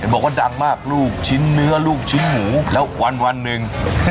บอกว่าดังมากลูกชิ้นเนื้อลูกชิ้นหมูแล้ววันหนึ่ง